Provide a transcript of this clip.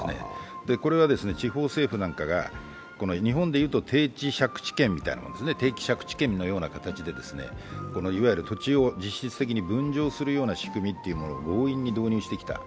これは地方政府なんかが日本でいうと定期借地権のような形で土地を実質的に分譲するような仕組みを強引に入れてきた。